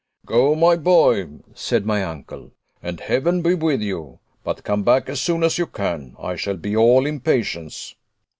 "Go, my boy," said my uncle, "and Heaven be with you. But come back as soon as you can. I shall be all impatience."